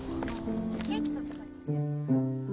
私ケーキ食べたい。